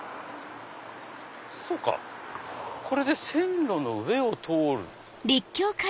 そうかこれで線路の上を通る。